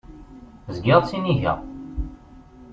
Zgiɣ ttinigeɣ.